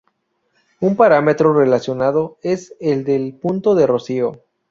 Un parámetro relacionado es el del punto de rocío.